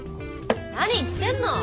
何言ってんの！